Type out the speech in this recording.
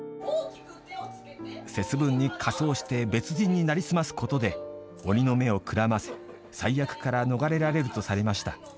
節分に仮装して別人になりすますことで鬼の目をくらませ災厄から逃れられるとされました。